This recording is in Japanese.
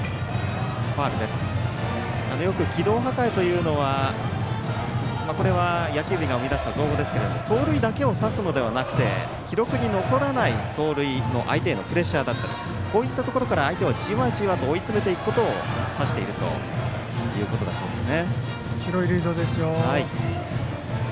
よく機動破壊というのはこれは野球部が生み出した造語ですけども盗塁だけを指すのではなくて記録に残らない走塁の相手へのプレッシャーだったりこういうところから相手をじわじわと追い詰めていくことを指しているということだそうです。